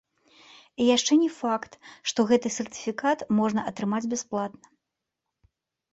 І яшчэ не факт, што гэты сертыфікат можна атрымаць бясплатна.